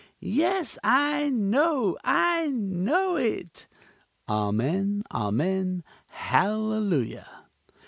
Yes, I know, I know it. (Amen, amen! hallelujah!)